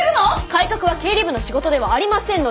改革は経理部の仕事ではありませんので。